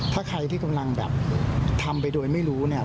ถ้าใครที่กำลังแบบทำไปโดยไม่รู้เนี่ย